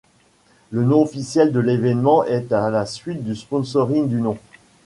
Le nom officiel de l'événement est à la suite du sponsoring du nom.